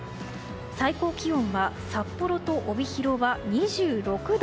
最高気温は札幌と帯広は２６度。